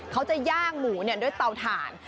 เขาจะย่างหมูด้วยเตาถ่าน